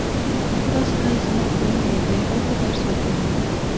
دا سړی زما ښوونکی ده او ښه درس ورکوی